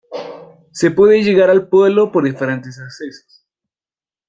Se puede llegar al pueblo por diferentes accesos.